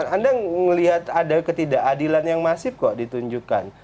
anda melihat ada ketidakadilan yang masif kok ditunjukkan